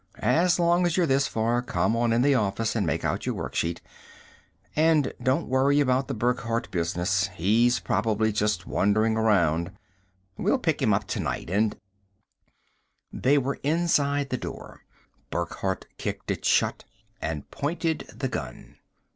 As long as you're this far, come on in the office and make out your worksheet. And don't worry about the Burckhardt business. He's probably just wandering around. We'll pick him up tonight and " They were inside the door. Burckhardt kicked it shut and pointed the gun.